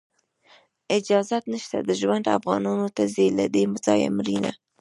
اجازت نشته د ژوند، افغانانو ته ځي له دې ځایه مړینه